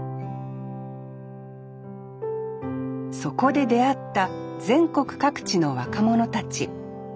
そこで出会った全国各地の若者たち。